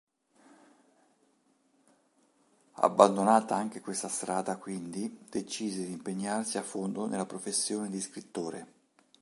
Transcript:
Abbandonata anche questa strada quindi decise di impegnarsi a fondo nella professione di scrittore.